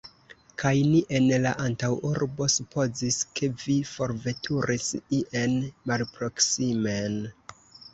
Kaj ni en la antaŭurbo supozis, ke vi forveturis ien malproksimen!